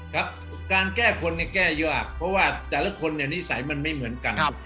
ครับการแก้คนเนี่ยแก้ยากเพราะว่าแต่ละคนเนี่ยนิสัยมันไม่เหมือนกัน